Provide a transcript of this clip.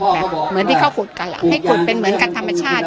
เหมือนที่เขาขุดกันให้ขุดเป็นเหมือนกันธรรมชาติ